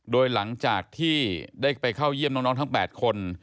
โดยหลังจากที่ได้ไปเข้าเยี่ยมน้องทั้ง๘คน